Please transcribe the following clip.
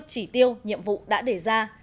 chỉ tiêu nhiệm vụ đã đề ra